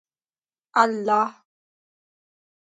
الله